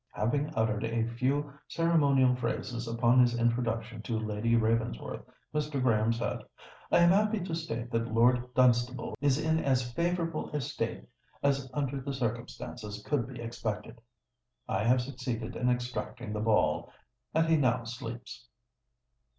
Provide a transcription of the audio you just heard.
Having uttered a few ceremonial phrases upon his introduction to Lady Ravensworth, Mr. Graham said, "I am happy to state that Lord Dunstable is in as favourable a state as under the circumstances could be expected. I have succeeded in extracting the ball—and he now sleeps."